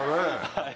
はい。